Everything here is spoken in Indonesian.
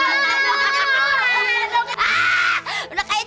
udah kayak channel bahas abang lupa